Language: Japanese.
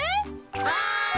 はい！